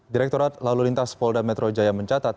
direktorat lalu lintas polda metro jaya mencatat